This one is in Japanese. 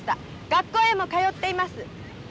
学校へも通っています。